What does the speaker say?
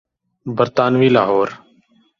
برطانوی لاہور۔